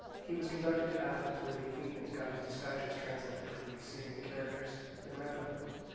He was conducted to Athens, where the Athenians got his dispatches translated from the Assyrian character and read them.